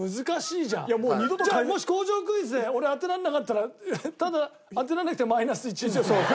じゃあもし工場クイズで俺当てられなかったらただ当てられなくてマイナス１になるの？